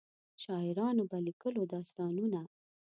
شاعرانو به لیکلو داستانونه.